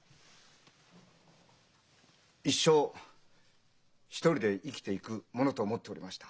一生独りで生きていくものと思っておりました。